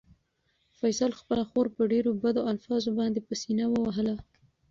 فیصل خپله خور په ډېرو بدو الفاظو باندې په سېنه ووهله.